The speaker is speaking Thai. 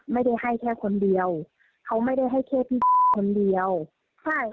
ไม่ได้ให้แค่คนเดียวเขาไม่ได้ให้แค่พี่คนเดียวใช่